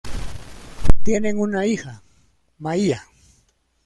Tienen una hija, Maia.